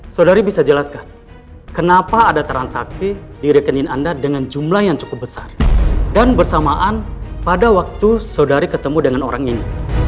saudari bisa jelaskan kenapa ada transaksi di rekening anda dengan jumlah yang cukup besar dan bersamaan pada waktu saudari ketemu dengan orang ini